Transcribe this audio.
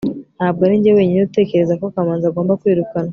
ntabwo arinjye wenyine utekereza ko kamanzi agomba kwirukanwa